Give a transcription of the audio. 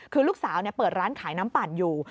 คือลูกสาวเปิดร้านขายน้ำปั่นอยู่